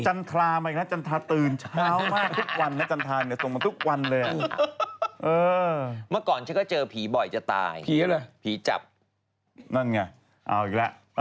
อันทรายมามีนักจริงอาตืนเช้าเลยว่านี้ส่วนด้วยว่าก่อนจะเจอผีบ่อยจะตายผีพี่จับนั่นมีภาพ